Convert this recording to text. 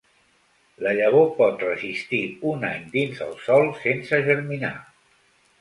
La llavor pot resistir un any dins el sòl sense germinar.